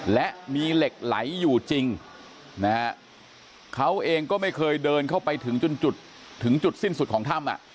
และมีเหล็กไหลอยู่จริงนะฮะเขาเองก็ไม่เคยเดินเข้าไปถึงจนจุดถึงจุดสิ้นสุดของถ้ำ